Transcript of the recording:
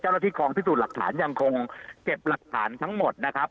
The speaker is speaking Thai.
เจ้าหน้าที่กองพิสูจน์หลักฐานยังคงเก็บหลักฐานทั้งหมดนะครับ